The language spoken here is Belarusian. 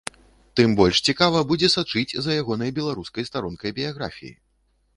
Тым больш цікава будзе сачыць за ягонай беларускай старонкай біяграфіі.